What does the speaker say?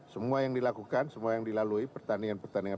semua yang dilakukan semua yang dilalui pertanian pertanian